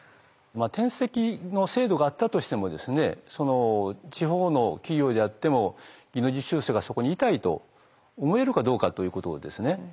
転籍の制度があったとしても地方の企業であっても技能実習生がそこにいたいと思えるかどうかということですね。